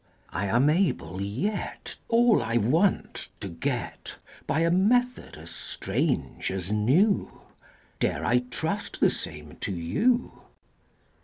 I am able yet All I want, to get By a method as strange as new: Dare I trust the same to you?